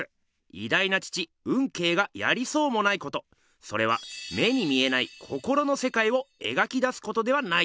いだいな父運慶がやりそうもないことそれは目に見えない心の世界を描き出すことではないでしょうか。